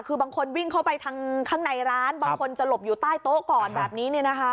คือบางคนวิ่งเข้าไปทางข้างในร้านบางคนจะหลบอยู่ใต้โต๊ะก่อนแบบนี้